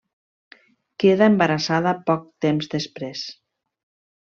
Queda embarassada poc temps després.